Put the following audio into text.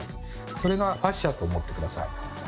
それがファシアと思って下さい。